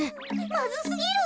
まずすぎる。